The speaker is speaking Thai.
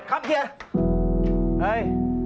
ครับเฮีย